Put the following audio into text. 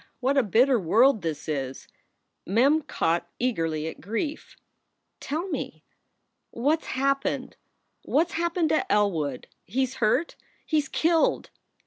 what a bitter world this is !" Mem caught eagerly at grief. "Tell me! What s happened? What s happened to Elwood? He s hurt. He s killed."